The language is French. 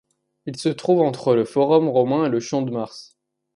Il se trouve entre le Forum Romain et le Champ de Mars.